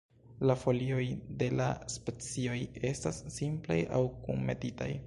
La folioj de la specioj estas simplaj aŭ kunmetitaj.